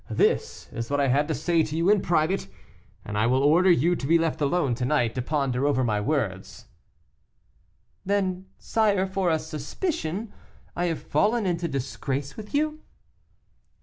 This is what I had to say to you in private, and I will order you to be left alone to night to ponder over my words." "Then, sire, for a suspicion, I have fallen into disgrace with you?"